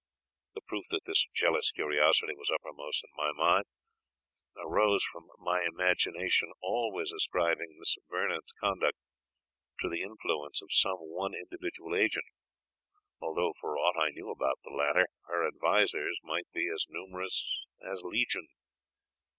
The proof that this jealous curiosity was uppermost in my mind, arose from my imagination always ascribing Miss Vernon's conduct to the influence of some one individual agent, although, for aught I knew about the matter, her advisers might be as numerous am Legion.